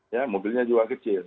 ya mobilnya jual kecil